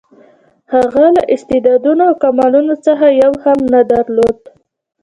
هغه له استعدادونو او کمالونو څخه یو هم نه درلود.